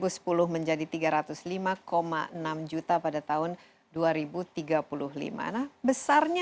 sehingga dari tiga ratus lima enam juta pada tahun dua ribu tiga puluh lima